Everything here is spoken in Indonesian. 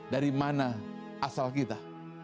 dari mana asal kita